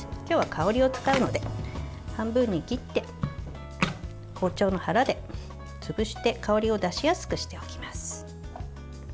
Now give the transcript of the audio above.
今日は香りを使うので半分に切って包丁の腹で潰して香りを出しやすくしておきます。